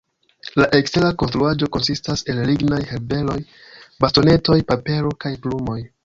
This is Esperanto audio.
La ekstera konstruaĵo konsistas el lignaj herberoj, bastonetoj, papero kaj plumoj.